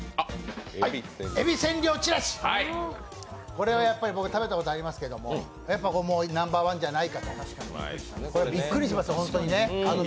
これはやっぱり僕食べたことありますけど、もうナンバーワンじゃないかとびっくりしますよ。